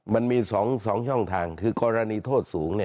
มันมี๒ช่องทางคือกรณีโทษสูง